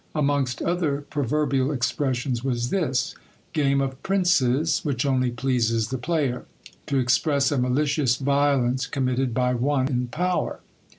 Amongst other proverbial expressions was this: Game of Princes, which only pleases the player, to express a malicious violence committed by one in power.